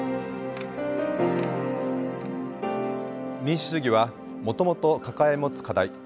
民主主義はもともと抱え持つ課題